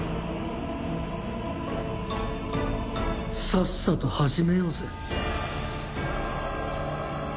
さっさと始めようぜ。